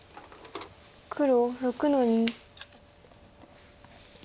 黒６の二。